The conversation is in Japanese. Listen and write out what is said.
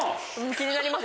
気になります。